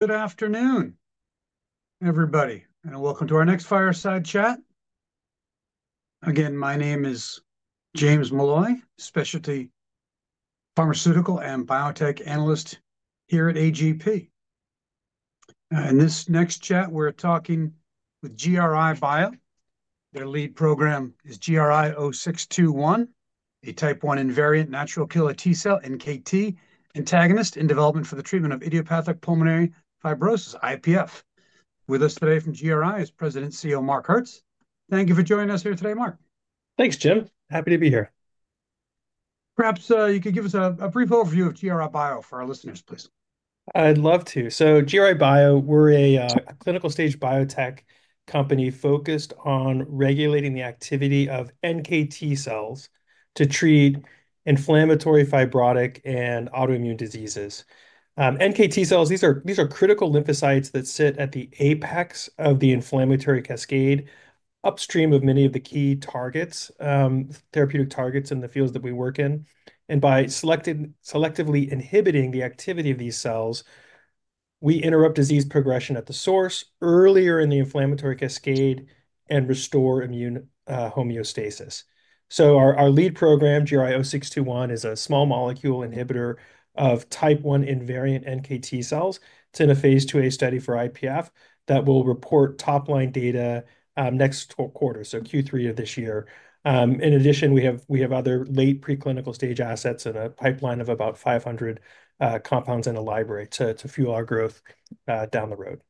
Good afternoon, everybody, and welcome to our next fireside chat. Again, my name is James Molloy, specialty pharmaceutical and biotech analyst here at AGP. In this next chat, we're talking with GRI Bio. Their lead program is GRI-0621, a type 1 invariant natural killer T cell NKT antagonist in development for the treatment of idiopathic pulmonary fibrosis, IPF. With us today from GRI is President and CEO Marc Hertz. Thank you for joining us here today, Marc. Thanks, Jim. Happy to be here. Perhaps you could give us a brief overview of GRI Bio for our listeners, please. I'd love to. GRI Bio, we're a clinical stage biotech company focused on regulating the activity of NKT cells to treat inflammatory, fibrotic, and autoimmune diseases. NKT cells, these are critical lymphocytes that sit at the apex of the inflammatory cascade, upstream of many of the key therapeutic targets in the fields that we work in. By selectively inhibiting the activity of these cells, we interrupt disease progression at the source earlier in the inflammatory cascade and restore immune homeostasis. Our lead program, GRI-0621, is a small molecule inhibitor of type 1 invariant NKT cells. It's in a phase 2A study for IPF that will report top-line data next quarter, Q3 of this year. In addition, we have other late preclinical stage assets and a pipeline of about 500 compounds in a library to fuel our growth down the road.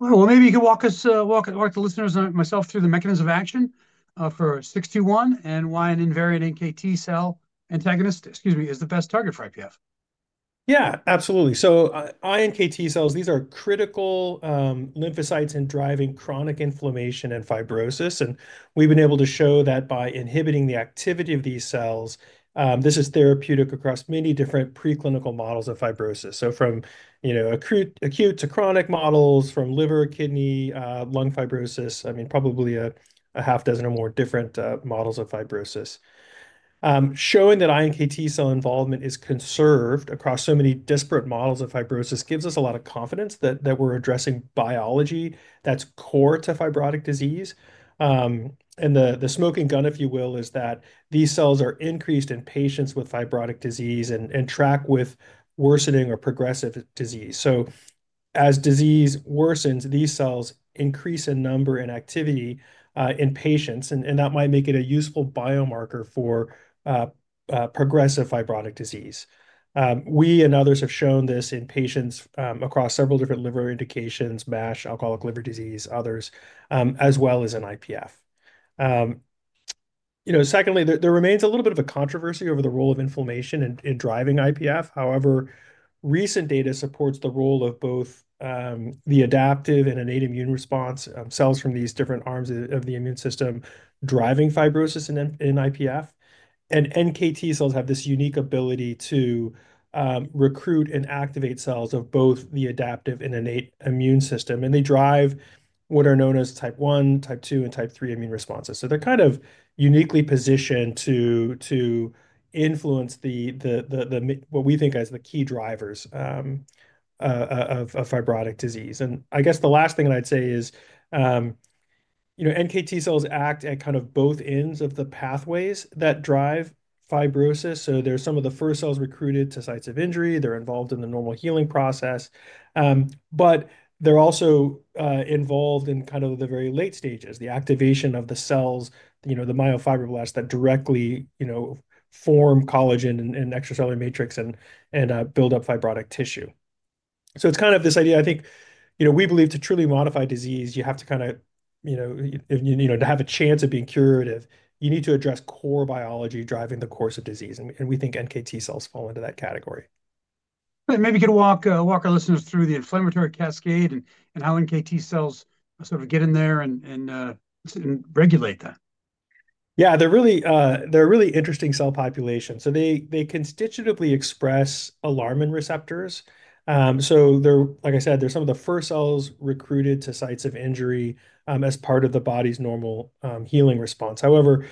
Maybe you could walk us, walk the listeners and myself through the mechanisms of action for 621 and why an invariant NKT cell antagonist, excuse me, is the best target for IPF. Yeah, absolutely. iNKT cells, these are critical lymphocytes in driving chronic inflammation and fibrosis. We've been able to show that by inhibiting the activity of these cells, this is therapeutic across many different preclinical models of fibrosis. From acute to chronic models, from liver, kidney, lung fibrosis, I mean, probably a half dozen or more different models of fibrosis. Showing that iNKT cell involvement is conserved across so many disparate models of fibrosis gives us a lot of confidence that we're addressing biology that's core to fibrotic disease. The smoking gun, if you will, is that these cells are increased in patients with fibrotic disease and track with worsening or progressive disease. As disease worsens, these cells increase in number and activity in patients, and that might make it a useful biomarker for progressive fibrotic disease. We and others have shown this in patients across several different liver indications, MASH, alcoholic liver disease, others, as well as in IPF. Secondly, there remains a little bit of a controversy over the role of inflammation in driving IPF. However, recent data supports the role of both the adaptive and innate immune response cells from these different arms of the immune system driving fibrosis in IPF. NKT cells have this unique ability to recruit and activate cells of both the adaptive and innate immune system, and they drive what are known as type 1, type 2, and type 3 immune responses. They are kind of uniquely positioned to influence what we think as the key drivers of fibrotic disease. I guess the last thing I'd say is NKT cells act at kind of both ends of the pathways that drive fibrosis. There's some of the first cells recruited to sites of injury. They're involved in the normal healing process. They're also involved in kind of the very late stages, the activation of the cells, the myofibroblasts that directly form collagen and extracellular matrix and build up fibrotic tissue. It's kind of this idea, I think, we believe to truly modify disease, you have to kind of, to have a chance of being curative, you need to address core biology driving the course of disease. We think NKT cells fall into that category. Maybe you could walk our listeners through the inflammatory cascade and how NKT cells sort of get in there and regulate that. Yeah, they're really interesting cell populations. They constitutively express alarming receptors. Like I said, they're some of the first cells recruited to sites of injury as part of the body's normal healing response. However,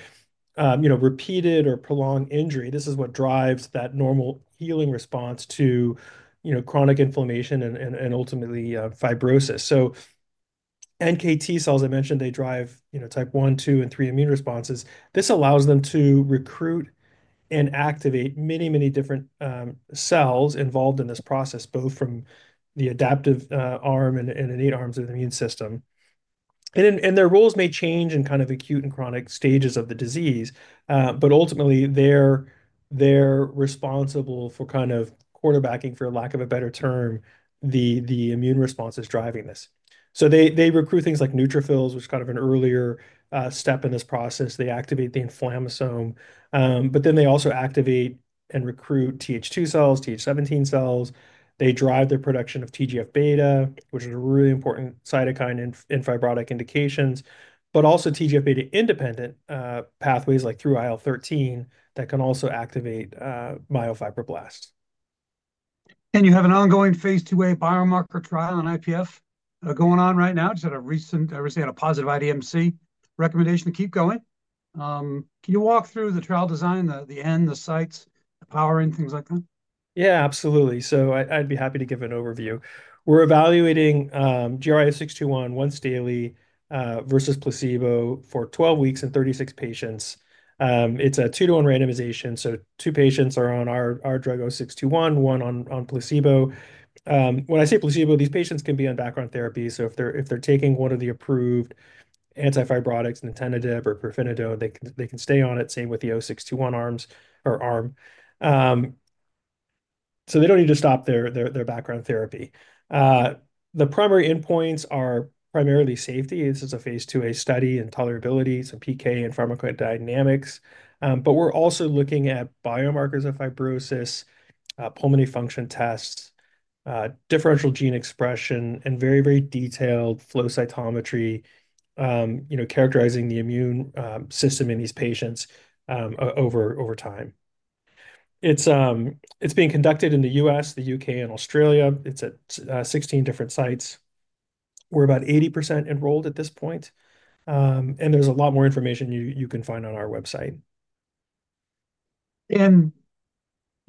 repeated or prolonged injury, this is what drives that normal healing response to chronic inflammation and ultimately fibrosis. NKT cells, I mentioned, they drive type 1, 2, and 3 immune responses. This allows them to recruit and activate many, many different cells involved in this process, both from the adaptive arm and innate arms of the immune system. Their roles may change in kind of acute and chronic stages of the disease, but ultimately, they're responsible for kind of quarterbacking, for lack of a better term, the immune responses driving this. They recruit things like neutrophils, which is kind of an earlier step in this process. They activate the inflammasome. They also activate and recruit TH2 cells, TH17 cells. They drive their production of TGF-β, which is a really important cytokine in fibrotic indications, but also TGF-β independent pathways like through IL-13 that can also activate myofibroblasts. You have an ongoing phase 2A biomarker trial in IPF going on right now. I recently had a positive IDMC recommendation to keep going. Can you walk through the trial design, the end, the sites, the powering, things like that? Yeah, absolutely. I'd be happy to give an overview. We're evaluating GRI-0621 once daily versus placebo for 12 weeks in 36 patients. It's a two-to-one randomization, so two patients are on our drug, 0621, one on placebo. When I say placebo, these patients can be on background therapy. If they're taking one of the approved antifibrotics, nintedanib or pirfenidone, they can stay on it, same with the 0621 arms. They don't need to stop their background therapy. The primary endpoints are primarily safety. This is a phase 2A study and tolerability, so PK and pharmacodynamics. We're also looking at biomarkers of fibrosis, pulmonary function tests, differential gene expression, and very, very detailed flow cytometry characterizing the immune system in these patients over time. It's being conducted in the U.S., the U.K., and Australia. It's at 16 different sites. We're about 80% enrolled at this point. There is a lot more information you can find on our website.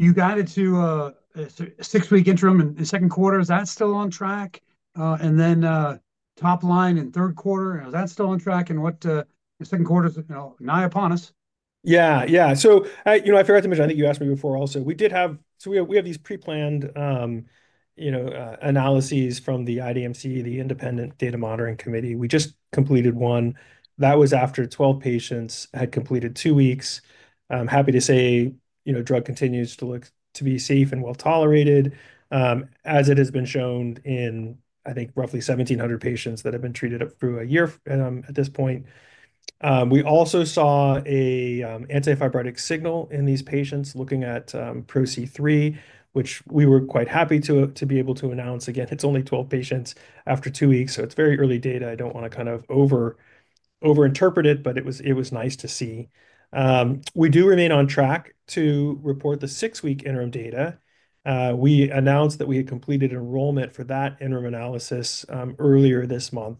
You guided to a six-week interim in the second quarter. Is that still on track? Top line in third quarter, is that still on track? Second quarter is nigh upon us. Yeah, yeah. I forgot to mention, I think you asked me before also, we did have, so we have these pre-planned analyses from the IDMC, the Independent Data Monitoring Committee. We just completed one. That was after 12 patients had completed two weeks. Happy to say drug continues to be safe and well tolerated, as it has been shown in, I think, roughly 1,700 patients that have been treated up through a year at this point. We also saw an antifibrotic signal in these patients looking at ProC3, which we were quite happy to be able to announce. Again, it's only 12 patients after two weeks. It is very early data. I do not want to kind of over-interpret it, but it was nice to see. We do remain on track to report the six-week interim data. We announced that we had completed enrollment for that interim analysis earlier this month.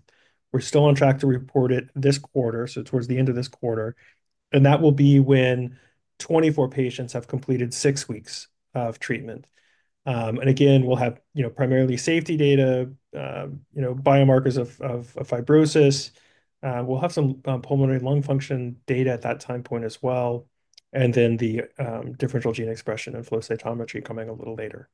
We're still on track to report it this quarter, towards the end of this quarter. That will be when 24 patients have completed six weeks of treatment. Again, we'll have primarily safety data, biomarkers of fibrosis. We'll have some pulmonary lung function data at that time point as well. The differential gene expression and flow cytometry are coming a little later.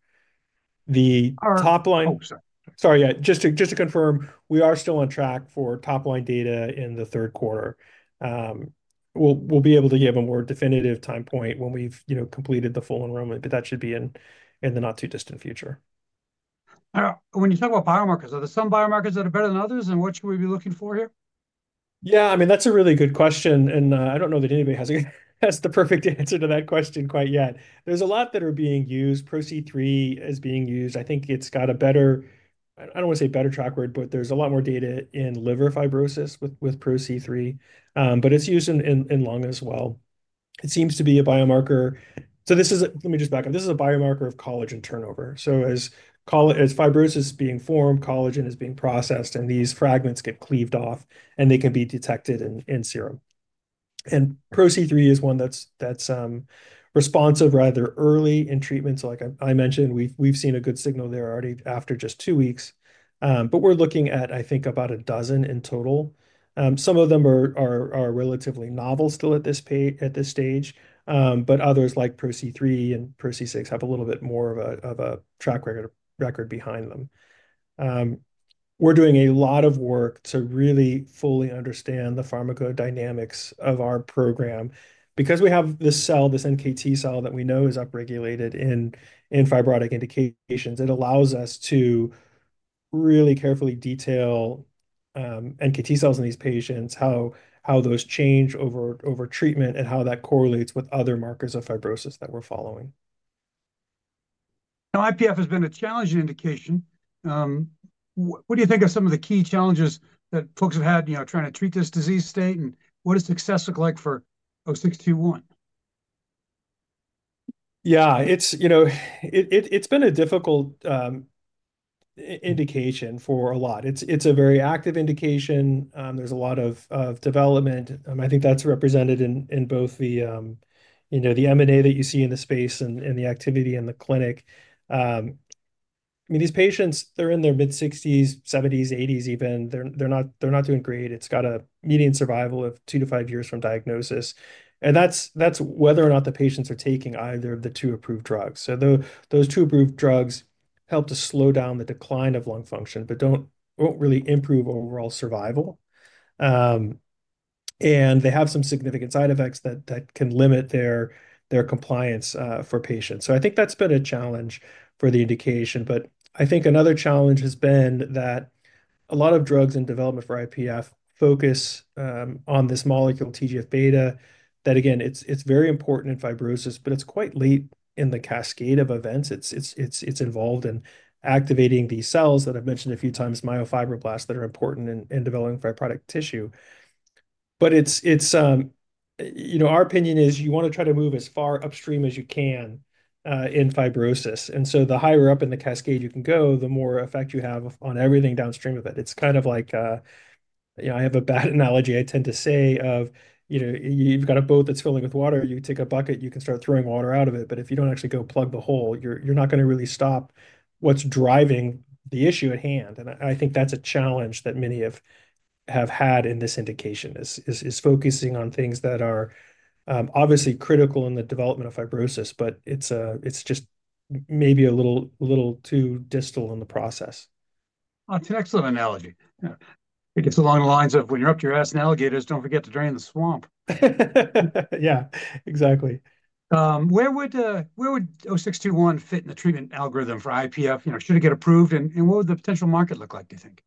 The top line. Oh, sorry. Sorry, yeah. Just to confirm, we are still on track for top line data in the third quarter. We'll be able to give a more definitive time point when we've completed the full enrollment, but that should be in the not-too-distant future. When you talk about biomarkers, are there some biomarkers that are better than others? What should we be looking for here? Yeah, I mean, that's a really good question. I don't know that anybody has the perfect answer to that question quite yet. There's a lot that are being used. ProC3 is being used. I think it's got a better—I don't want to say better track record, but there's a lot more data in liver fibrosis with ProC3. It's used in lung as well. It seems to be a biomarker. Let me just back up. This is a biomarker of collagen turnover. As fibrosis is being formed, collagen is being processed, and these fragments get cleaved off, and they can be detected in serum. ProC3 is one that's responsive rather early in treatment. Like I mentioned, we've seen a good signal there already after just two weeks. We're looking at, I think, about a dozen in total. Some of them are relatively novel still at this stage, but others like ProC3 and ProC6 have a little bit more of a track record behind them. We're doing a lot of work to really fully understand the pharmacodynamics of our program. Because we have this cell, this NKT cell that we know is upregulated in fibrotic indications, it allows us to really carefully detail NKT cells in these patients, how those change over treatment, and how that correlates with other markers of fibrosis that we're following. Now, IPF has been a challenging indication. What do you think are some of the key challenges that folks have had trying to treat this disease state, and what does success look like for 0621? Yeah, it's been a difficult indication for a lot. It's a very active indication. There's a lot of development. I think that's represented in both the M&A that you see in the space and the activity in the clinic. I mean, these patients, they're in their mid-60s, 70s, 80s even. They're not doing great. It's got a median survival of two to five years from diagnosis. That's whether or not the patients are taking either of the two approved drugs. Those two approved drugs help to slow down the decline of lung function, but don't really improve overall survival. They have some significant side effects that can limit their compliance for patients. I think that's been a challenge for the indication. I think another challenge has been that a lot of drugs in development for IPF focus on this molecule, TGF-β, that, again, it's very important in fibrosis, but it's quite late in the cascade of events. It's involved in activating these cells that I've mentioned a few times, myofibroblasts that are important in developing fibrotic tissue. Our opinion is you want to try to move as far upstream as you can in fibrosis. The higher up in the cascade you can go, the more effect you have on everything downstream of it. It's kind of like, I have a bad analogy I tend to say of you've got a boat that's filling with water. You take a bucket, you can start throwing water out of it. If you do not actually go plug the hole, you are not going to really stop what is driving the issue at hand. I think that is a challenge that many have had in this indication, focusing on things that are obviously critical in the development of fibrosis, but it is just maybe a little too distal in the process. That's an excellent analogy. It gets along the lines of when you're up your ass in alligators, don't forget to drain the swamp. Yeah, exactly. Where would 0621 fit in the treatment algorithm for IPF? Should it get approved? What would the potential market look like, do you think?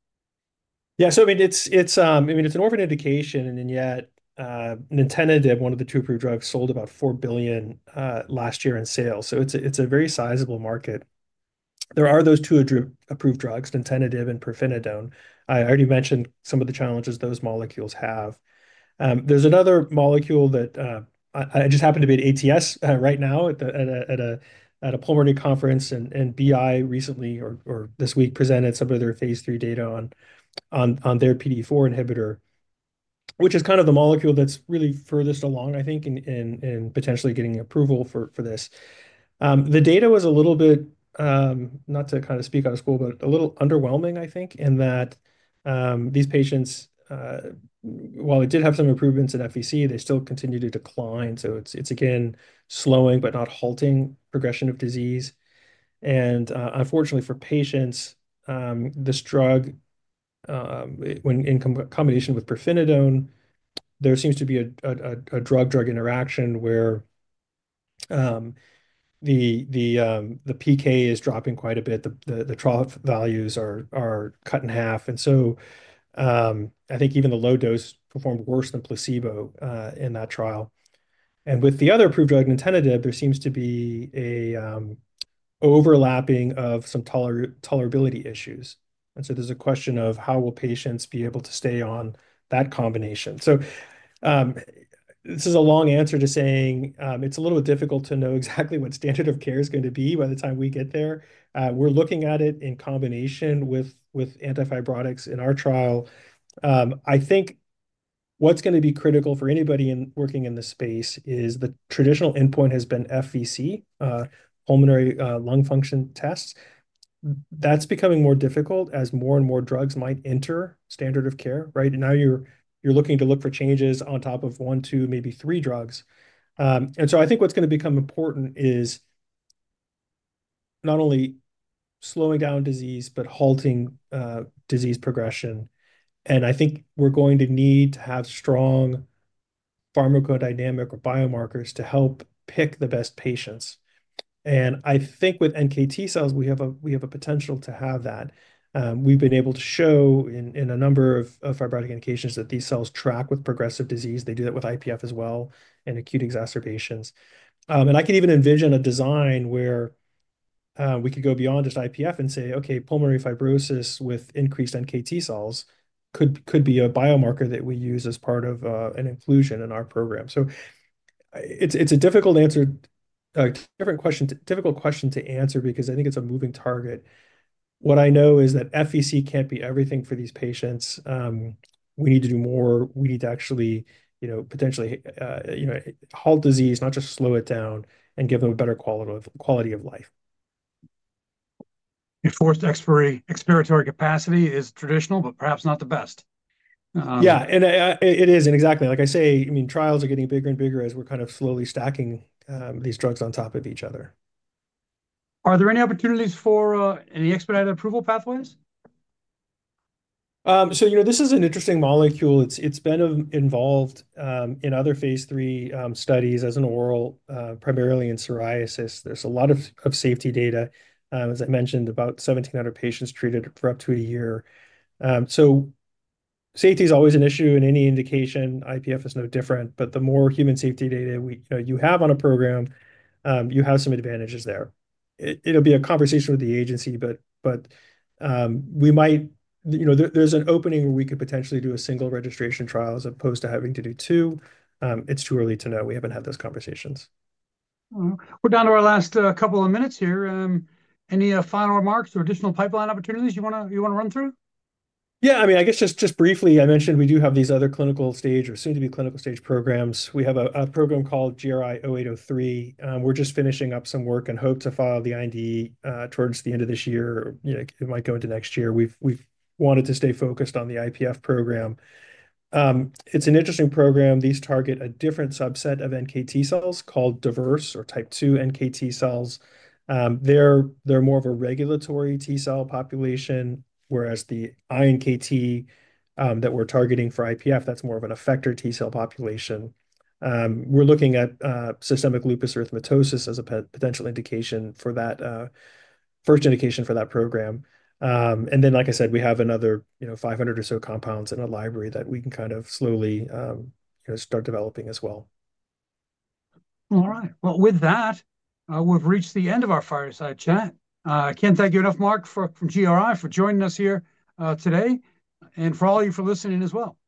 Yeah, so I mean, it's an orphan indication, and yet nintedanib, one of the two approved drugs, sold about $4 billion last year in sales. It's a very sizable market. There are those two approved drugs, nintedanib and pirfenidone. I already mentioned some of the challenges those molecules have. There's another molecule that I just happen to be at ATS right now at a pulmonary conference, and BI recently or this week presented some of their phase 3 data on their PDE4 inhibitor, which is kind of the molecule that's really furthest along, I think, in potentially getting approval for this. The data was a little bit, not to kind of speak out of school, but a little underwhelming, I think, in that these patients, while it did have some improvements in FVC, they still continue to decline. It's, again, slowing but not halting progression of disease. Unfortunately for patients, this drug, when in combination with pirfenidone, there seems to be a drug-drug interaction where the PK is dropping quite a bit. The trough values are cut in half. I think even the low dose performed worse than placebo in that trial. With the other approved drug, nintedanib, there seems to be an overlapping of some tolerability issues. There is a question of how will patients be able to stay on that combination. This is a long answer to saying it is a little difficult to know exactly what standard of care is going to be by the time we get there. We are looking at it in combination with antifibrotics in our trial. I think what is going to be critical for anybody working in this space is the traditional endpoint has been FVC, pulmonary lung function tests. That's becoming more difficult as more and more drugs might enter standard of care, right? Now you're looking to look for changes on top of one, two, maybe three drugs. I think what's going to become important is not only slowing down disease, but halting disease progression. I think we're going to need to have strong pharmacodynamic or biomarkers to help pick the best patients. I think with NKT cells, we have a potential to have that. We've been able to show in a number of fibrotic indications that these cells track with progressive disease. They do that with IPF as well in acute exacerbations. I can even envision a design where we could go beyond just IPF and say, "Okay, pulmonary fibrosis with increased NKT cells could be a biomarker that we use as part of an inclusion in our program." It is a difficult question to answer because I think it is a moving target. What I know is that FVC cannot be everything for these patients. We need to do more. We need to actually potentially halt disease, not just slow it down and give them a better quality of life. Enforced expiratory capacity is traditional, but perhaps not the best. Yeah, and it is, and exactly. Like I say, I mean, trials are getting bigger and bigger as we're kind of slowly stacking these drugs on top of each other. Are there any opportunities for any expedited approval pathways? This is an interesting molecule. It's been involved in other phase 3 studies as an oral, primarily in psoriasis. There's a lot of safety data. As I mentioned, about 1,700 patients treated for up to a year. Safety is always an issue in any indication. IPF is no different. The more human safety data you have on a program, you have some advantages there. It'll be a conversation with the agency, but there's an opening where we could potentially do a single registration trial as opposed to having to do two. It's too early to know. We haven't had those conversations. We're down to our last couple of minutes here. Any final remarks or additional pipeline opportunities you want to run through? Yeah, I mean, I guess just briefly, I mentioned we do have these other clinical stage or soon-to-be clinical stage programs. We have a program called GRI-0803. We're just finishing up some work and hope to file the IND towards the end of this year. It might go into next year. We've wanted to stay focused on the IPF program. It's an interesting program. These target a different subset of NKT cells called diverse or type 2 NKT cells. They're more of a regulatory T cell population, whereas the iNKT that we're targeting for IPF, that's more of an effector T cell population. We're looking at systemic lupus erythematosus as a potential indication for that first indication for that program. Like I said, we have another 500 or so compounds in a library that we can kind of slowly start developing as well. All right. With that, we've reached the end of our fireside chat. I can't thank you enough, Marc, from GRI, for joining us here today. And for all of you for listening as well.